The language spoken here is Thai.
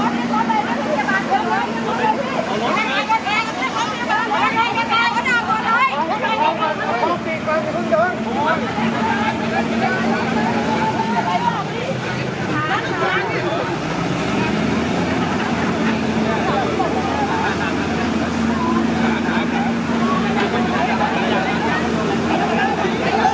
รถขับสวัสดีรถขับสวัสดี